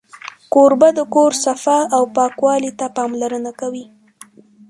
کوربه د کور صفا او پاکوالي ته پاملرنه کوي.